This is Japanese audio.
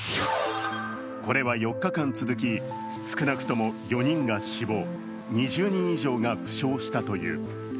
これは４日間続き少なくとも４人が死亡、２０人以上が負傷したという。